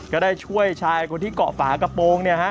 ก็ได้ช่วยชายคนที่เกาะฝากระโปรง